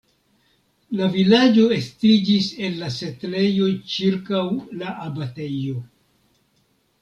La vilaĝo estiĝis el la setlejoj ĉirkaŭ la abatejo.